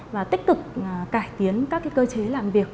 và tích cực cải tiến các cơ chế làm việc